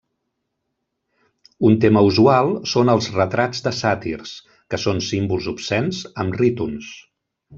Un tema usual són els retrats de sàtirs, que són símbols obscens, amb rítons.